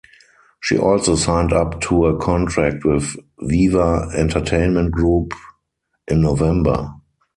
She also signed up to a contract with Viva Entertainment Group in November.